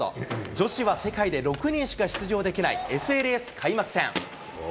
女子は世界で６人しか出場できないＳＬＳ開幕戦。